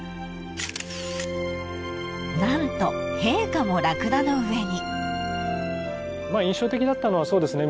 ［何と陛下もラクダの上に］